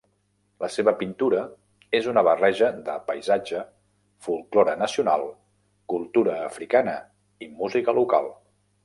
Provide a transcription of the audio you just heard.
La seva pintura és una barreja de paisatge, folklore nacional, cultura africana i música local.